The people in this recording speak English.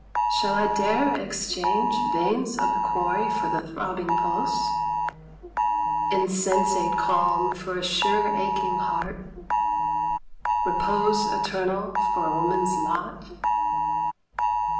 Shall I dare exchange Veins of the quarry for the throbbing pulse? Insensate calm for a sure aching heart? Repose eternal for a woman's lot?